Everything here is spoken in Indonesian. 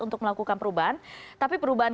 untuk melakukan perubahan tapi perubahan